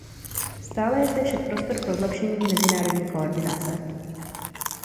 Stále je zde však prostor pro zlepšení mezinárodní koordinace.